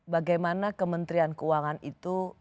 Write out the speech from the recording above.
bagaimana kementerian keuangan itu